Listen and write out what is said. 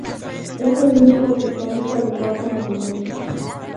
Es el único que consta de cuatro movimientos.